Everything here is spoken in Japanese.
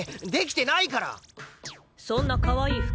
そんなかわいい服